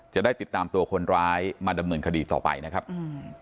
จะได้ติดตามตัวคนร้ายมาดำเนินคดีต่อไปนะครับอืม